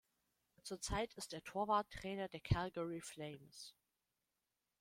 Zurzeit ist er Torwarttrainer der Calgary Flames.